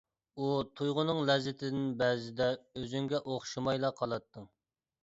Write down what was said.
ئۇ تۇيغۇنىڭ لەززىتىدىن بەزىدە ئۆزۈڭگە ئوخشىمايلا قالاتتىڭ.